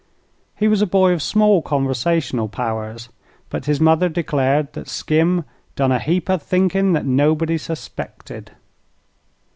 He was a boy of small conversational powers, but his mother declared that Skim "done a heap o' thinkin' that nobody suspected."